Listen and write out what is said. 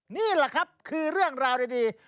นี่แหละครับคือเรื่องราวดี